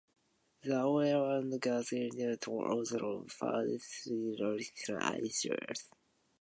The oil and gas industry also faces geopolitical issues.